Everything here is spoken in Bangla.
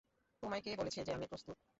তোমায় কে বলেছে যে আমি প্রস্তুত?